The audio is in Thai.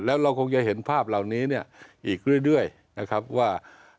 แล้วเราคงจะเห็นภาพเหล่านี้เนี่ยอีกเรื่อยนะครับว่า